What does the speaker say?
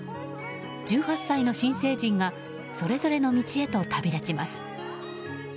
１８歳の新成人がそれぞれの道へと旅立ちます。